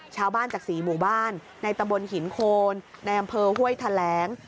ชาวบ้านจาก๔หมู่บ้านในตำบลหินโคนในอำเภอห้วยแถลง